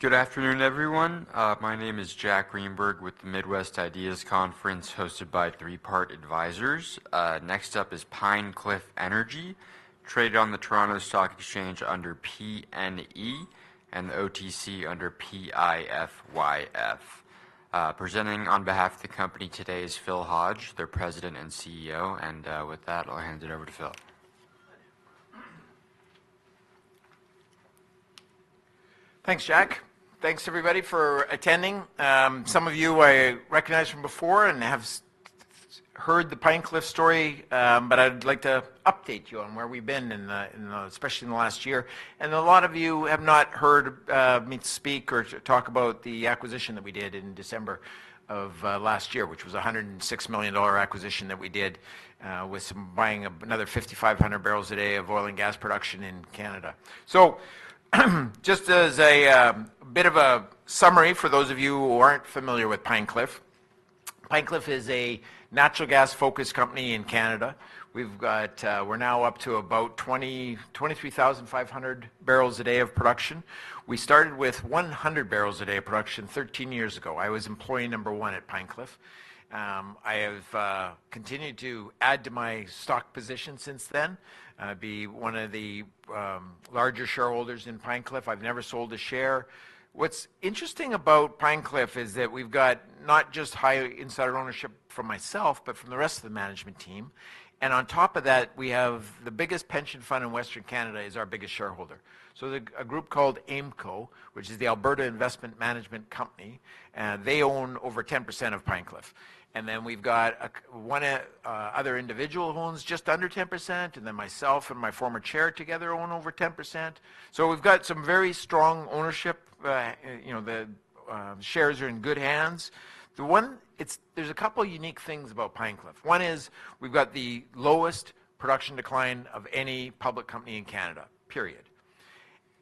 Good afternoon, everyone. My name is Jack Greenberg with the Midwest IDEAS Conference, hosted by Three Part Advisors. Next up is Pine Cliff Energy, traded on the Toronto Stock Exchange under PNE and the OTC under PIFYF. Presenting on behalf of the company today is Phil Hodge, their President and CEO, and with that, I'll hand it over to Phil. Thanks, Jack. Thanks, everybody, for attending. Some of you I recognize from before and have heard the Pine Cliff story, but I'd like to update you on where we've been in the, especially in the last year. And a lot of you have not heard me speak or talk about the acquisition that we did in December of last year, which was a 106 million dollar acquisition that we did with buying another 5,500 barrels a day of oil and gas production in Canada. So, just as a bit of a summary for those of you who aren't familiar with Pine Cliff. Pine Cliff is a natural gas-focused company in Canada. We've got. We're now up to about 22,350 barrels a day of production. We started with 100 barrels a day of production 13 years ago. I was employee number one at Pine Cliff. I have continued to add to my stock position since then to be one of the larger shareholders in Pine Cliff. I've never sold a share. What's interesting about Pine Cliff is that we've got not just high insider ownership from myself, but from the rest of the management team, and on top of that, we have the biggest pension fund in Western Canada is our biggest shareholder. So, a group called AIMCo, which is the Alberta Investment Management Corporation, and they own over 10% of Pine Cliff. And then we've got one other individual who owns just under 10%, and then myself and my former chair together own over 10%. So we've got some very strong ownership. You know, the shares are in good hands. There's a couple unique things about Pine Cliff. One is, we've got the lowest production decline of any public company in Canada, period.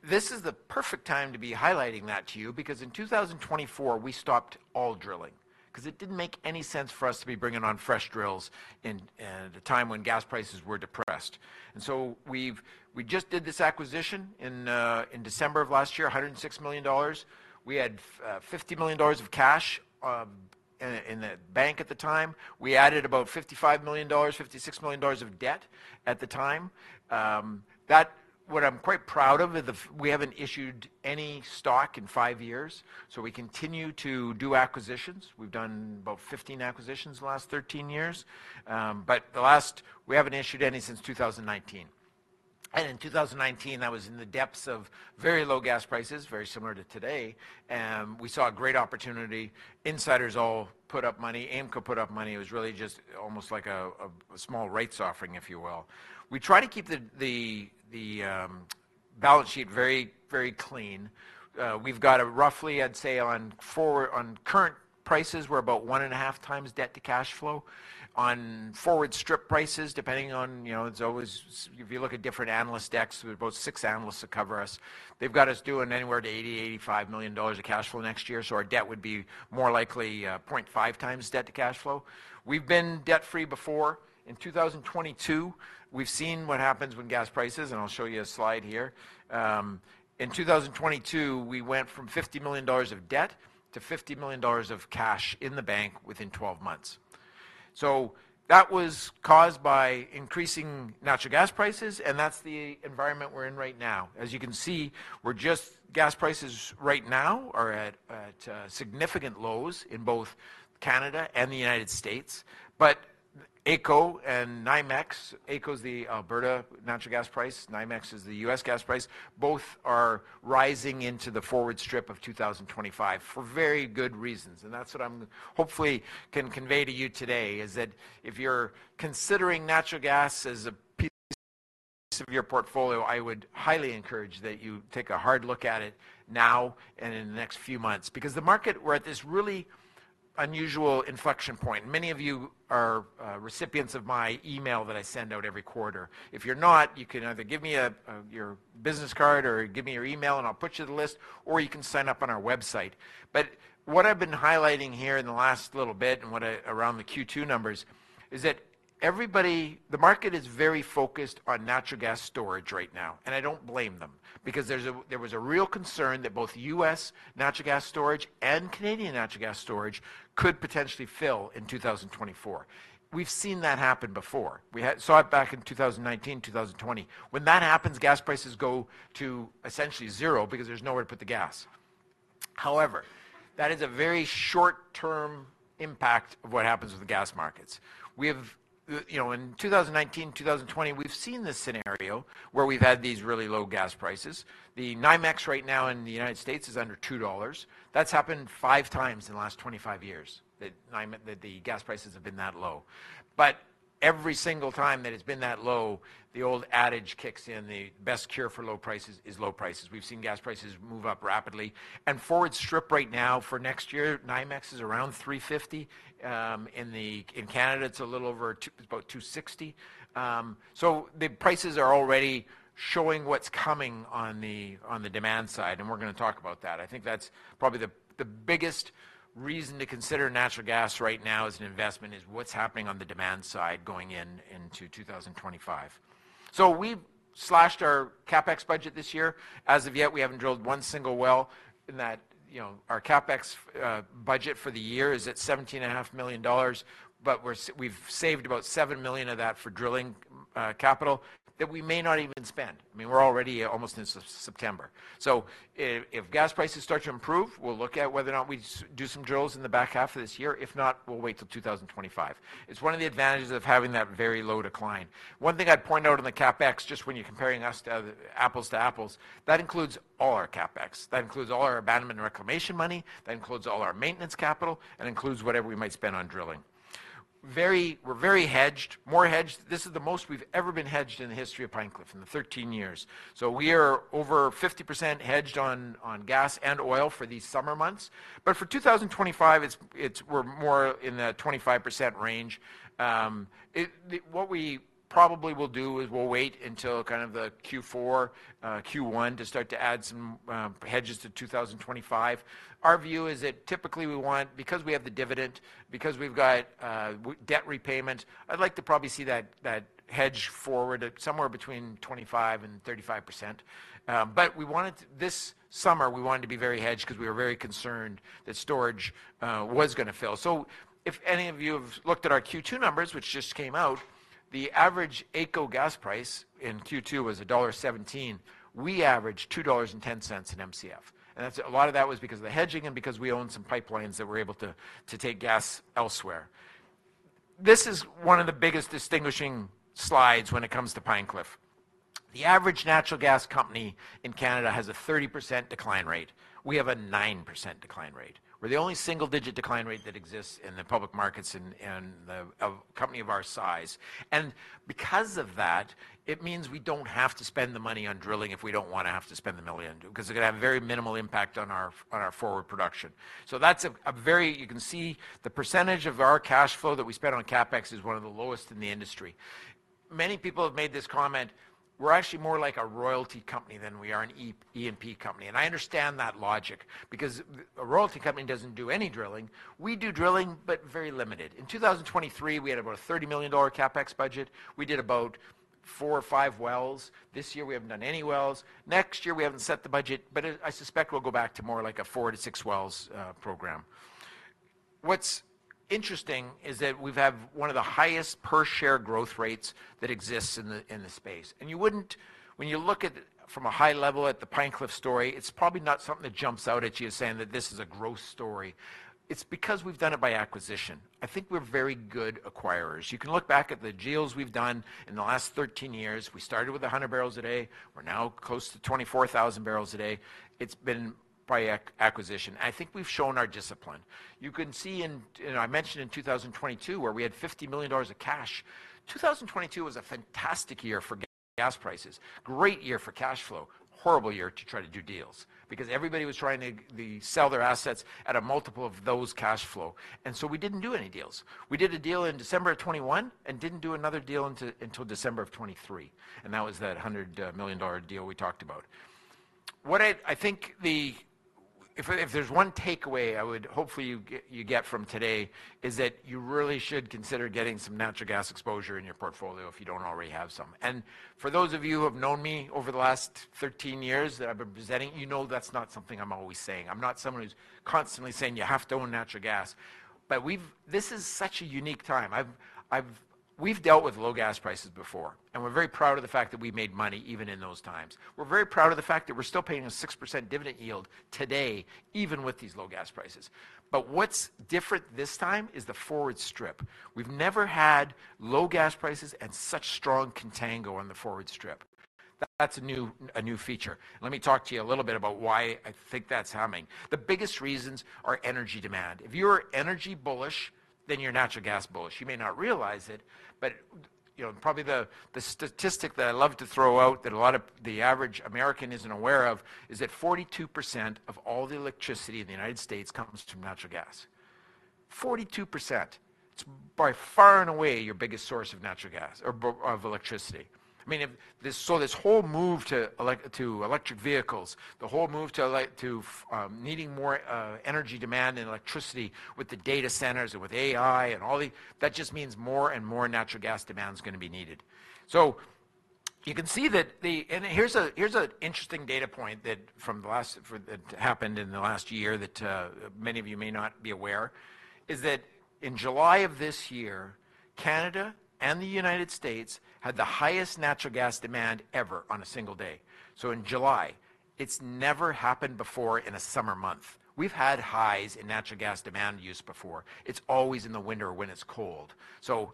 This is the perfect time to be highlighting that to you, because in 2024, we stopped all drilling, because it didn't make any sense for us to be bringing on fresh drills in at a time when gas prices were depressed, and so we just did this acquisition in December of last year, 106 million dollars. We had 50 million dollars of cash in the bank at the time. We added about 55 million dollars, 56 million dollars of debt at the time. That... What I'm quite proud of is we haven't issued any stock in five years, so we continue to do acquisitions. We've done about 15 acquisitions in the last 13 years. But the last, we haven't issued any since 2019. In 2019, that was in the depths of very low gas prices, very similar to today, and we saw a great opportunity. Insiders all put up money. AIMCo put up money. It was really just almost like a small rights offering, if you will. We try to keep the balance sheet very, very clean. We've got a roughly, I'd say, on forward, on current prices, we're about one and a half times debt to cash flow. On forward strip prices, depending on, you know, it's always if you look at different analyst decks, we have about six analysts that cover us. They've got us doing anywhere to 80 million-85 million dollars of cash flow next year, so our debt would be more likely point five times debt to cash flow. We've been debt-free before. In 2022, we've seen what happens when gas prices. And I'll show you a slide here. In 2022, we went from 50 million dollars of debt to 50 million dollars of cash in the bank within twelve months. So that was caused by increasing natural gas prices, and that's the environment we're in right now. As you can see, gas prices right now are at significant lows in both Canada and the United States. But AECO and NYMEX, AECO's the Alberta natural gas price, NYMEX is the U.S. gas price, both are rising into the forward strip of 2025 for very good reasons. That's what I'm hopefully can convey to you today, is that if you're considering natural gas as a piece of your portfolio, I would highly encourage that you take a hard look at it now and in the next few months, because the market, we're at this really unusual inflection point. Many of you are recipients of my email that I send out every quarter. If you're not, you can either give me your business card or give me your email, and I'll put you on the list, or you can sign up on our website. But what I've been highlighting here in the last little bit and what I... Around the Q2 numbers, is that everybody? The market is very focused on natural gas storage right now, and I don't blame them, because there was a real concern that both U.S. natural gas storage and Canadian natural gas storage could potentially fill in 2024. We've seen that happen before. We saw it back in 2019, 2020. When that happens, gas prices go to essentially zero because there's nowhere to put the gas. However, that is a very short-term impact of what happens with the gas markets. We have, you know, in 2019, 2020, we've seen this scenario where we've had these really low gas prices. The NYMEX right now in the United States is under $2. That's happened five times in the last 25 years, that the gas prices have been that low. But... Every single time that it's been that low, the old adage kicks in, "The best cure for low prices is low prices." We've seen gas prices move up rapidly, and forward strip right now for next year, NYMEX is around $3.50. In Canada, it's a little over two. It's about 2.60. So the prices are already showing what's coming on the demand side, and we're gonna talk about that. I think that's probably the biggest reason to consider natural gas right now as an investment, is what's happening on the demand side, going in, into 2025. So we've slashed our CapEx budget this year. As of yet, we haven't drilled one single well in that... You know, our CapEx budget for the year is at $17.5 million, but we've saved about seven million of that for drilling capital, that we may not even spend. I mean, we're already almost in September. So if gas prices start to improve, we'll look at whether or not we do some drills in the back half of this year. If not, we'll wait till 2025. It's one of the advantages of having that very low decline. One thing I'd point out on the CapEx, just when you're comparing us to other apples to apples, that includes all our CapEx. That includes all our abandonment and reclamation money, that includes all our maintenance capital, and includes whatever we might spend on drilling. Very. We're very hedged, more hedged. This is the most we've ever been hedged in the history of Pine Cliff, in the 13 years. So we are over 50% hedged on gas and oil for these summer months, but for 2025, it's we're more in the 25% range. What we probably will do is we'll wait until kind of the Q4, Q1, to start to add some hedges to 2025. Our view is that typically we want. Because we have the dividend, because we've got debt repayment, I'd like to probably see that hedge forward at somewhere between 25% and 35%. But we wanted, this summer, we wanted to be very hedged 'cause we were very concerned that storage was gonna fill. If any of you have looked at our Q2 numbers, which just came out, the average AECO gas price in Q2 was dollar 1.17. We averaged 2.10 dollars in MCF, and that's a lot of that was because of the hedging and because we own some pipelines that we're able to take gas elsewhere. This is one of the biggest distinguishing slides when it comes to Pine Cliff. The average natural gas company in Canada has a 30% decline rate. We have a 9% decline rate. We're the only single-digit decline rate that exists in the public markets and a company of our size, and because of that, it means we don't have to spend the money on drilling if we don't wanna have to spend the million to do, 'cause it's gonna have a very minimal impact on our forward production. You can see the percentage of our cash flow that we spent on CapEx is one of the lowest in the industry. Many people have made this comment, we're actually more like a royalty company than we are an E&P company. I understand that logic, because a royalty company doesn't do any drilling. We do drilling, but very limited. In 2023, we had about a 30 million dollar CapEx budget. We did about four or five wells. This year, we haven't done any wells. Next year, we haven't set the budget, but I suspect we'll go back to more like a four to six wells program. What's interesting is that we've had one of the highest per share growth rates that exists in the space. And you wouldn't... When you look at from a high level at the Pine Cliff story, it's probably not something that jumps out at you as saying that this is a growth story. It's because we've done it by acquisition. I think we're very good acquirers. You can look back at the deals we've done in the last 13 years. We started with 100 barrels a day. We're now close to 24,000 barrels a day. It's been by acquisition. I think we've shown our discipline. You can see. And I mentioned in 2022, where we had 50 million dollars of cash. 2022 was a fantastic year for gas prices, great year for cash flow, horrible year to try to do deals because everybody was trying to sell their assets at a multiple of those cash flow, and so we didn't do any deals. We did a deal in December of 2021 and didn't do another deal until December of 2023, and that was that 100 million dollar deal we talked about. What I think the... If there's one takeaway I would hopefully you get from today, is that you really should consider getting some natural gas exposure in your portfolio if you don't already have some. And for those of you who have known me over the last 13 years that I've been presenting, you know that's not something I'm always saying. I'm not someone who's constantly saying, "You have to own natural gas." But we've... This is such a unique time. We've dealt with low gas prices before, and we're very proud of the fact that we made money even in those times. We're very proud of the fact that we're still paying a 6% dividend yield today, even with these low gas prices, but what's different this time is the forward strip. We've never had low gas prices and such strong contango on the forward strip. That's a new feature. Let me talk to you a little bit about why I think that's happening. The biggest reasons are energy demand. If you're energy bullish, then you're natural gas bullish. You may not realize it, but you know, probably the statistic that I love to throw out that a lot of the average American isn't aware of is that 42% of all the electricity in the United States comes from natural gas. 42%, it's by far and away your biggest source of natural gas or of electricity. I mean, if this... This whole move to electric vehicles, the whole move to needing more energy demand and electricity with the data centers and with AI and all the... That just means more and more natural gas demand is gonna be needed. So you can see that the... And here's an interesting data point that happened in the last year, that many of you may not be aware, is that in July of this year, Canada and the United States had the highest natural gas demand ever on a single day. So in July, it's never happened before in a summer month. We've had highs in natural gas demand use before. It's always in the winter when it's cold. So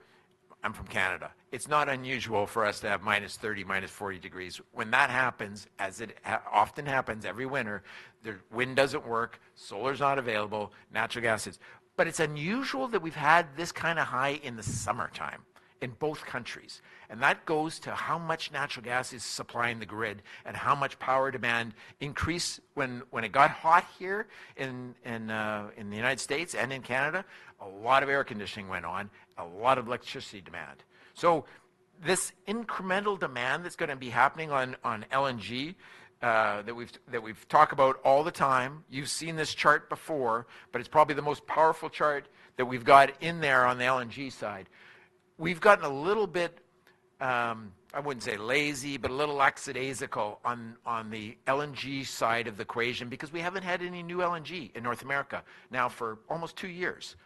I'm from Canada. It's not unusual for us to have -30, -40 degrees. When that happens, as it often happens every winter, the wind doesn't work, solar's not available, natural gas is. But it's unusual that we've had this kind of high in the summertime in both countries, and that goes to how much natural gas is supplying the grid and how much power demand increased when it got hot here in the United States and in Canada. A lot of air conditioning went on, a lot of electricity demand. So this incremental demand that's gonna be happening on LNG that we've talked about all the time. You've seen this chart before, but it's probably the most powerful chart that we've got in there on the LNG side. We've gotten a little bit, I wouldn't say lazy, but a little lackadaisical on the LNG side of the equation because we haven't had any new LNG in North America now for almost 2 years.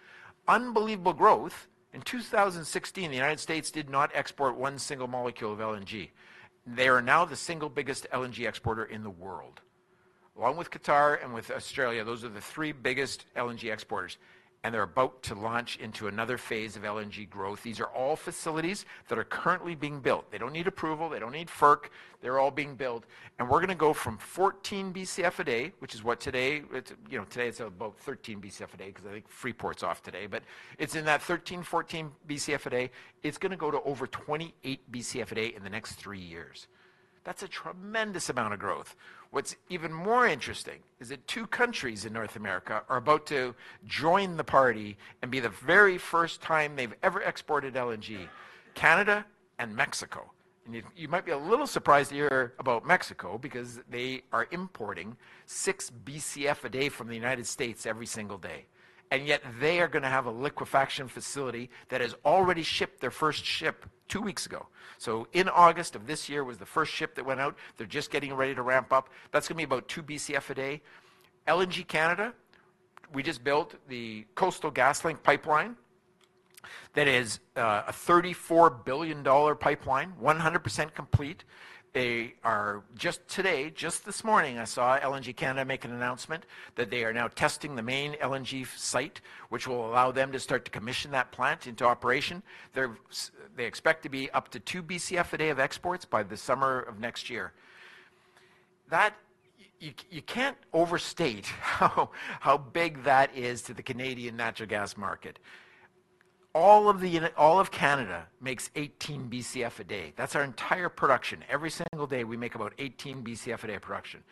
Unbelievable growth. In 2016, the United States did not export one single molecule of LNG. They are now the single biggest LNG exporter in the world. Along with Qatar and with Australia, those are the three biggest LNG exporters, and they're about to launch into another phase of LNG growth. These are all facilities that are currently being built. They don't need approval, they don't need FERC. They're all being built, and we're gonna go from 14 BCF a day, which is what today, it's, you know, today it's about 13 BCF a day 'cause I think Freeport's off today, but it's in that 13, 14 BCF a day. It's gonna go to over 28 BCF a day in the next three years. That's a tremendous amount of growth. What's even more interesting is that two countries in North America are about to join the party and be the very first time they've ever exported LNG: Canada and Mexico. You, you might be a little surprised to hear about Mexico because they are importing six BCF a day from the United States every single day, and yet they are gonna have a liquefaction facility that has already shipped their first ship two weeks ago. In August of this year was the first ship that went out. They're just getting ready to ramp up. That's gonna be about two BCF a day. LNG Canada, we just built the Coastal GasLink pipeline. That is a 34 billion dollar pipeline, 100% complete. They are just today, just this morning, I saw LNG Canada make an announcement that they are now testing the main LNG site, which will allow them to start to commission that plant into operation. They're they expect to be up to two BCF a day of exports by the summer of next year. That you can't overstate how big that is to the Canadian natural gas market. All of Canada makes 18 BCF a day. That's our entire production. Every single day, we make about 18 BCF a day of production.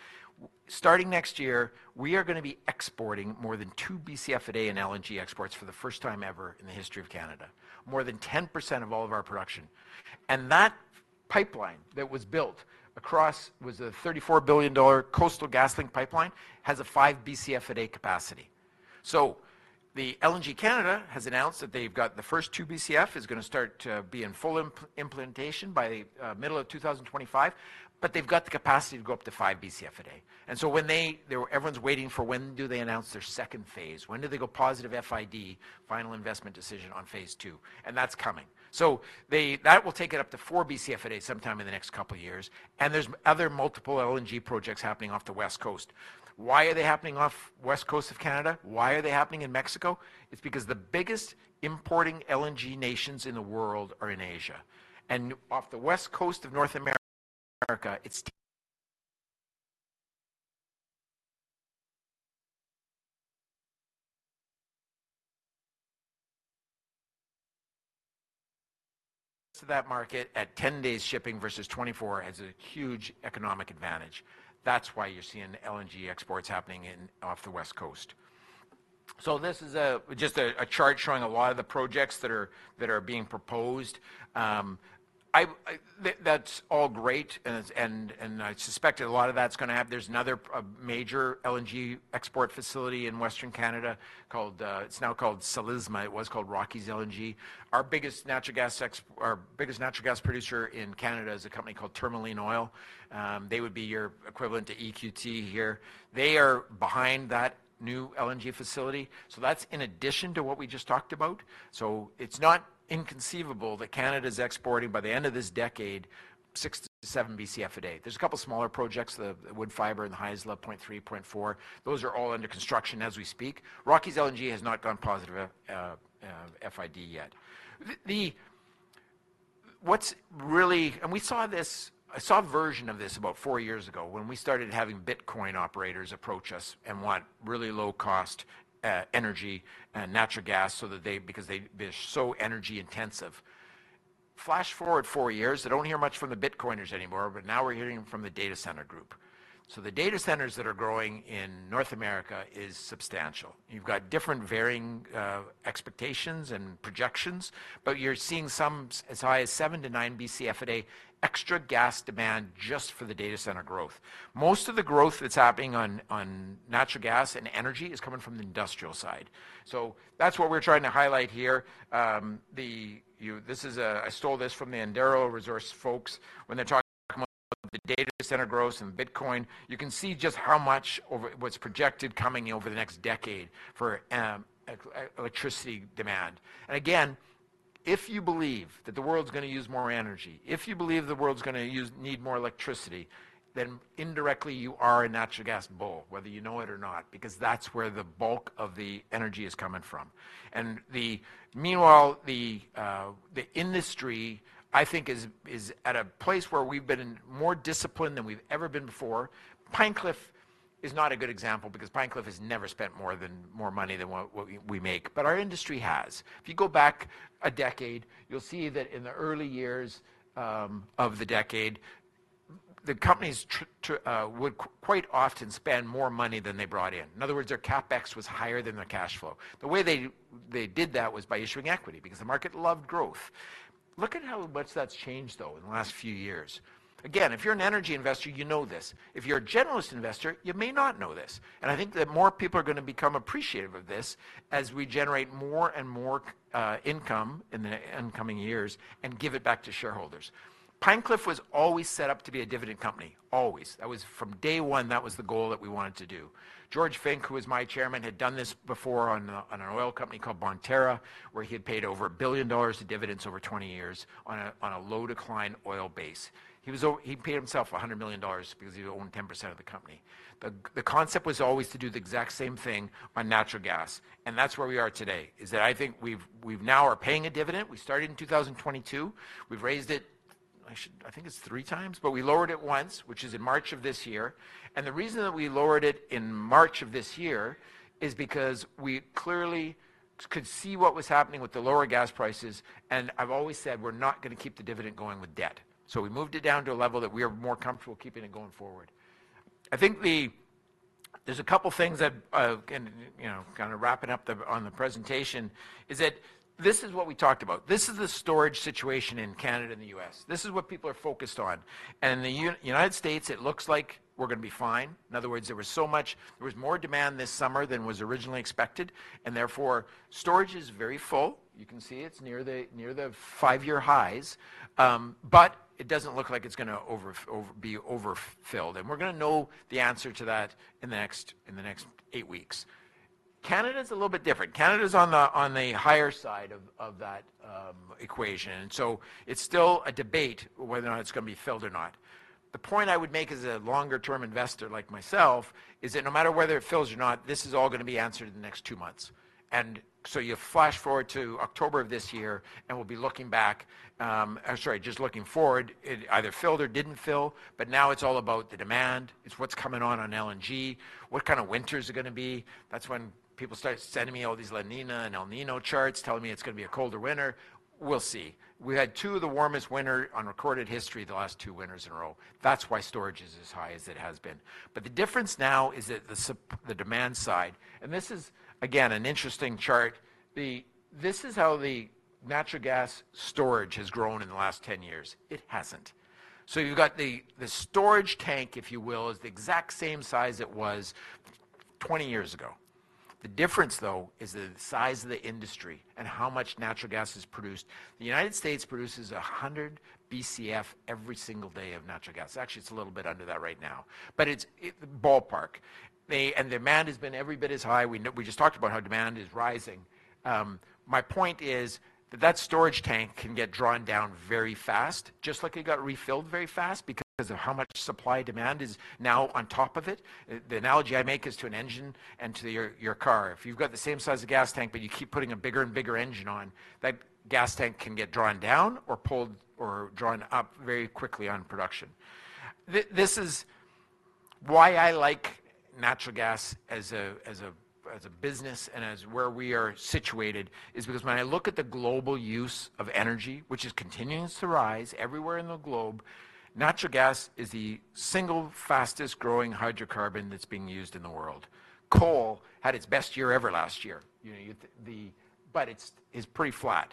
Starting next year, we are gonna be exporting more than two BCF a day in LNG exports for the first time ever in the history of Canada. More than 10% of all of our production. That pipeline that was built across was a 34 billion dollar Coastal GasLink pipeline and has a five BCF a day capacity. LNG Canada has announced that they have got the first two BCF, which is going to start to be in full implementation by middle of 2025. They have got the capacity to go up to five BCF a day. Everyone is waiting for when they announce their second phase. When do they go positive FID, final investment decision, on phase II? That is coming. That will take it up to four BCF a day sometime in the next couple of years, and there are other multiple LNG projects happening off the West Coast. Why are they happening off the West Coast of Canada? Why are they happening in Mexico? It's because the biggest importing LNG nations in the world are in Asia, and off the West Coast of North America, it's 10 days shipping versus 24 has a huge economic advantage. That's why you're seeing LNG exports happening off the West Coast. This is just a chart showing a lot of the projects that are being proposed. That's all great, and I suspect that a lot of that's gonna have. There's another major LNG export facility in Western Canada called, it's now called Ksi Lisims it was called Rockies LNG. Our biggest natural gas producer in Canada is a company called Tourmaline Oil. They would be your equivalent to EQT here. They are behind that new LNG facility, so that's in addition to what we just talked about so it's not inconceivable that Canada's exporting, by the end of this decade, six to seven BCF a day. There's a couple of smaller projects, the Woodfibre and the Haisla, point three, point four. Those are all under construction as we speak. Rockies LNG has not gone positive, FID yet. We saw this. I saw a version of this about four years ago when we started having Bitcoin operators approach us and want really low-cost energy and natural gas so that they because they, they're so energy-intensive. Flash forward four years, I don't hear much from the Bitcoiners anymore, but now we're hearing from the data center group, so the data centers that are growing in North America is substantial. You've got different varying expectations and projections, but you're seeing some as high as seven to nine BCF a day extra gas demand just for the data center growth. Most of the growth that's happening on natural gas and energy is coming from the industrial side. So that's what we're trying to highlight here. This is, I stole this from the Antero Resources folks. When they're talking about the data center growth in Bitcoin, you can see just how much over what's projected coming in over the next decade for electricity demand. And again, if you believe that the world's gonna use more energy, if you believe the world's gonna need more electricity, then indirectly you are a natural gas bull, whether you know it or not, because that's where the bulk of the energy is coming from. Meanwhile, the industry, I think, is at a place where we've been more disciplined than we've ever been before. Pine Cliff is not a good example, because Pine Cliff has never spent more money than what we make, but our industry has. If you go back a decade, you'll see that in the early years of the decade the companies would quite often spend more money than they brought in. In other words, their CapEx was higher than their cash flow. The way they did that was by issuing equity, because the market loved growth. Look at how much that's changed, though, in the last few years. Again, if you're an energy investor, you know this. If you're a generalist investor, you may not know this, and I think that more people are gonna become appreciative of this as we generate more and more income in the coming years and give it back to shareholders. Pine Cliff was always set up to be a dividend company. Always. That was from day one, that was the goal that we wanted to do. George Fink, who was my chairman, had done this before on an oil company called Bonterra, where he had paid over a billion dollars in dividends over 20 years on a low-decline oil base. He paid himself $100 million, because he owned 10% of the company. The concept was always to do the exact same thing on natural gas, and that's where we are today, is that I think we've now are paying a dividend. We started in 2022. We've raised it. I think it's three times, but we lowered it once, which is in March of this year, and the reason that we lowered it in March of this year is because we clearly could see what was happening with the lower gas prices, and I've always said, we're not gonna keep the dividend going with debt, so we moved it down to a level that we are more comfortable keeping it going forward. I think there's a couple things that and, you know, kinda wrapping up the on the presentation, is that this is what we talked about. This is the storage situation in Canada and the U.S. This is what people are focused on, and in the United States, it looks like we're gonna be fine. In other words, there was more demand this summer than was originally expected, and therefore, storage is very full. You can see it's near the five-year highs, but it doesn't look like it's gonna be overfilled, and we're gonna know the answer to that in the next eight weeks. Canada's a little bit different. Canada's on the higher side of that equation, and so it's still a debate whether or not it's gonna be filled or not. The point I would make as a longer term investor, like myself, is that no matter whether it fills or not, this is all gonna be answered in the next two months. You flash forward to October of this year, and we'll be looking back. I'm sorry, just looking forward, it either filled or didn't fill, but now it's all about the demand. It's what's coming on LNG. What kind of winter is it gonna be? That's when people started sending me all these La Niña and El Niño charts, telling me it's gonna be a colder winter. We'll see. We had two of the warmest winter on recorded history the last two winters in a row. That's why storage is as high as it has been. But the difference now is that the demand side, and this is, again, an interesting chart. This is how the natural gas storage has grown in the last 10 years. It hasn't. You've got the storage tank, if you will, is the exact same size it was 20 years ago. The difference, though, is the size of the industry and how much natural gas is produced. The United States produces 100 BCF every single day of natural gas. Actually, it's a little bit under that right now, but it's ballpark. And demand has been every bit as high. We just talked about how demand is rising. My point is, that that storage tank can get drawn down very fast, just like it got refilled very fast, because of how much supply-demand is now on top of it. The analogy I make is to an engine and to your car. If you've got the same size of gas tank, but you keep putting a bigger and bigger engine on, that gas tank can get drawn down or pulled or drawn up very quickly on production. This is why I like natural gas as a business and as where we are situated, is because when I look at the global use of energy, which is continuing to rise everywhere in the globe, natural gas is the single fastest growing hydrocarbon that's being used in the world. Coal had its best year ever last year. You know, the... But it's pretty flat.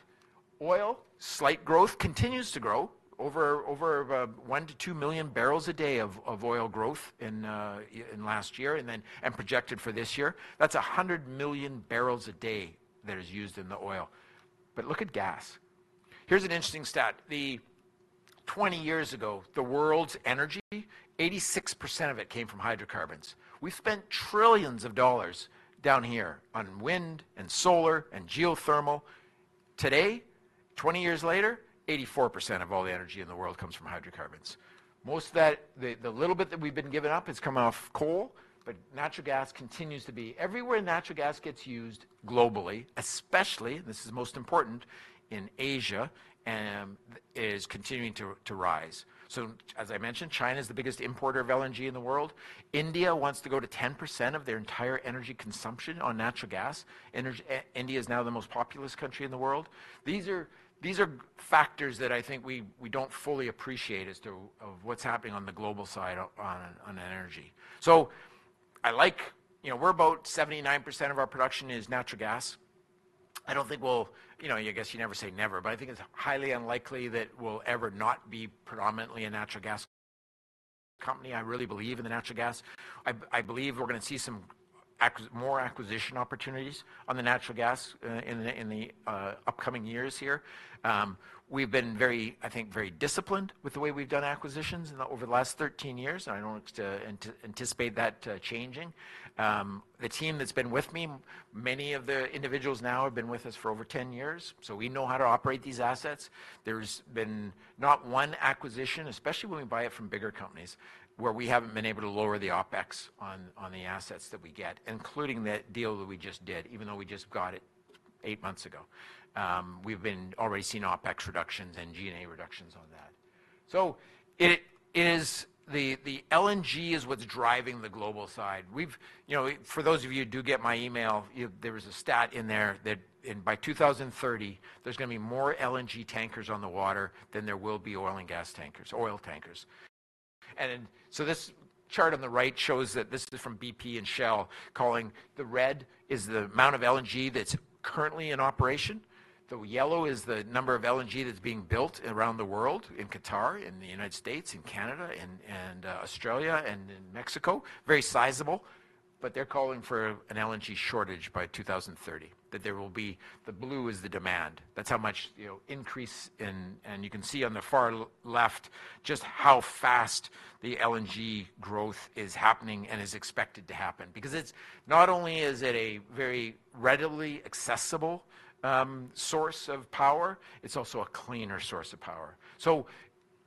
Oil, slight growth, continues to grow over 1,000,000 to 2,000,000 million barrels a day of oil growth in last year, and then projected for this year. That's 100 million barrels a day that is used in the oil. But look at gas. Here's an interesting stat: 20 years ago, the world's energy, 86% of it came from hydrocarbons. We spent trillions of dollars down here on wind and solar and geothermal. Today, 20 years later, 84% of all the energy in the world comes from hydrocarbons. Most of that, the little bit that we've been giving up has come off coal, but natural gas continues to be... Everywhere natural gas gets used globally, especially, this is most important, in Asia, is continuing to rise. So, as I mentioned, China is the biggest importer of LNG in the world. India wants to go to 10% of their entire energy consumption on natural gas. India is now the most populous country in the world. These are factors that I think we don't fully appreciate as to of what's happening on the global side on energy, so you know, we're about 79% of our production is natural gas. I don't think we'll, you know, I guess you never say never, but I think it's highly unlikely that we'll ever not be predominantly a natural gas company. I really believe in the natural gas. I believe we're gonna see some more acquisition opportunities on the natural gas in the upcoming years here. We've been very, I think, very disciplined with the way we've done acquisitions over the last 13 years, and I don't anticipate that changing. The team that's been with me, many of the individuals now have been with us for over ten years, so we know how to operate these assets. There's been not one acquisition, especially when we buy it from bigger companies, where we haven't been able to lower the OpEx on the assets that we get, including the deal that we just did, even though we just got it eight months ago. We've been already seeing OpEx reductions and G&A reductions on that. So it is, the LNG is what's driving the global side. You know, for those of you who do get my email, there was a stat in there that in by 2030, there's gonna be more LNG tankers on the water than there will be oil and gas tankers, oil tankers. This chart on the right shows that this is from BP and Shell, calling the red is the amount of LNG that's currently in operation. The yellow is the number of LNG that's being built around the world, in Qatar, in the United States, in Canada, and Australia, and in Mexico. Very sizable, but they're calling for an LNG shortage by 2030, that there will be. The blue is the demand. That's how much, you know, increase. And you can see on the far left just how fast the LNG growth is happening and is expected to happen. Because it's not only is it a very readily accessible source of power, it's also a cleaner source of power.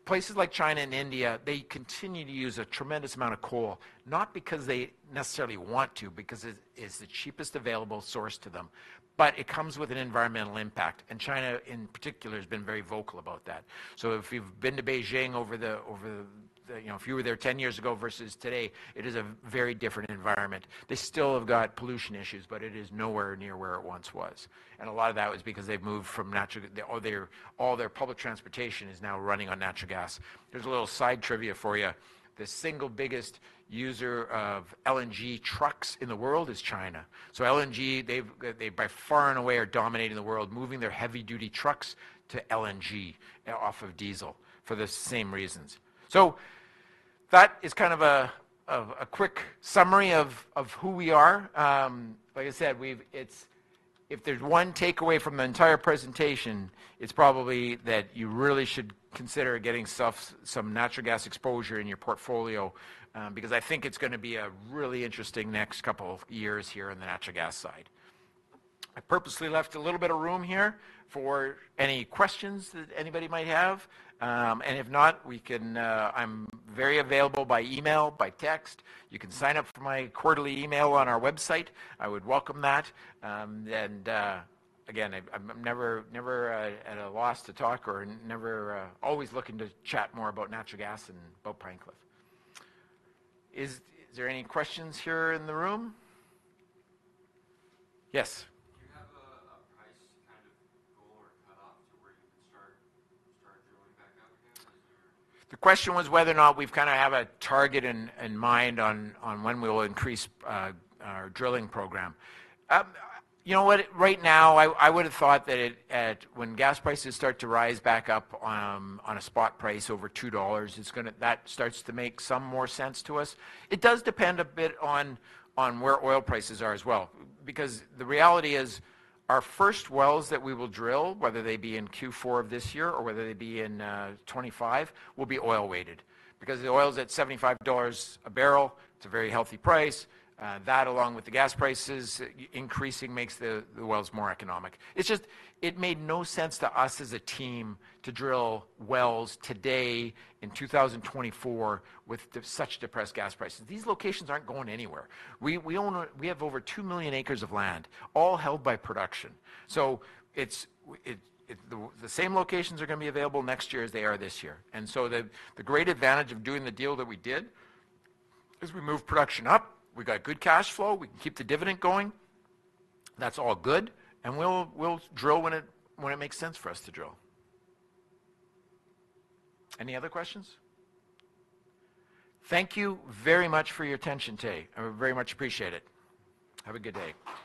Places like China and India, they continue to use a tremendous amount of coal, not because they necessarily want to, because it is the cheapest available source to them. But it comes with an environmental impact, and China in particular has been very vocal about that. So if you've been to Beijing over the, you know, if you were there ten years ago versus today, it is a very different environment. They still have got pollution issues, but it is nowhere near where it once was, and a lot of that was because they've moved from natural—or their all their public transportation is now running on natural gas. Here's a little side trivia for you: the single biggest user of LNG trucks in the world is China. LNG, they by far and away are dominating the world, moving their heavy-duty trucks to LNG, off of diesel, for the same reasons. So that is kind of a quick summary of who we are. Like I said, we've it's, if there's one takeaway from the entire presentation, it's probably that you really should consider getting some natural gas exposure in your portfolio, because I think it's gonna be a really interesting next couple of years here in the natural gas side. I purposely left a little bit of room here for any questions that anybody might have. And if not, we can... I'm very available by email, by text. You can sign up for my quarterly email on our website. I would welcome that. Again, I'm never at a loss to talk. Always looking to chat more about natural gas and about Pine Cliff. Is there any questions here in the room? Yes. The question was whether or not we've kind of have a target in mind on when we'll increase our drilling program. You know what? Right now, I would've thought that when gas prices start to rise back up on a spot price over $2, it's gonna that starts to make some more sense to us. It does depend a bit on where oil prices are as well. Because the reality is, our first wells that we will drill, whether they be in Q4 of this year or whether they be in 2025, will be oil-weighted. Because the oil's at $75 a barrel, it's a very healthy price. That, along with the gas prices increasing, makes the wells more economic. It's just, it made no sense to us as a team to drill wells today in 2024 with such depressed gas prices. These locations aren't going anywhere. We own, we have over two million acres of land, all held by production. So it's the same locations are gonna be available next year as they are this year. And so the great advantage of doing the deal that we did, is we moved production up, we got good cash flow, we can keep the dividend going. That's all good, and we'll drill when it makes sense for us to drill. Any other questions? Thank you very much for your attention today. I very much appreciate it. Have a good day.